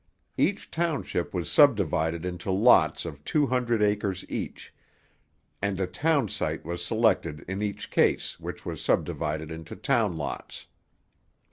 Each township was subdivided into lots of two hundred acres each, and a town site was selected in each case which was subdivided into town lots.